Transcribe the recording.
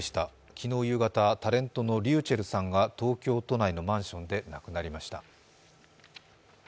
昨日夕方、タレントのｒｙｕｃｈｅｌｌさんが東京都内のマンションで亡くなりました。